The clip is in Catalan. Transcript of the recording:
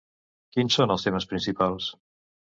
Quins són els temes principals?